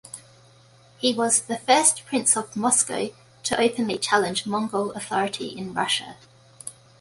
He was the first prince of Moscow to openly challenge Mongol authority in Russia.